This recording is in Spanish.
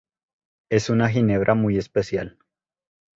Es una ginebra muy especial.